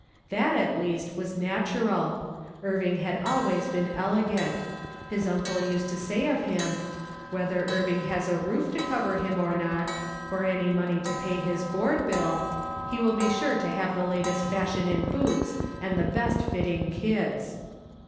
That, at least, mms natural ; Irving had always been elegant ; his uncle used to say of him, " Whether Irving has a roof to cover him or not, or any money to pay his board bill, he will be sure to have the latest fashion in boots, and the best fitting kids."